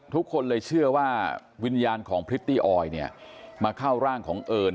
ทุกคนเลยเชื่อว่าวิญญาณของพริตตี้ออยเนี่ยมาเข้าร่างของเอิญ